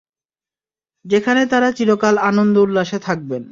যেখানে তারা চিরকাল আনন্দ-উল্লাসে থাকবেন।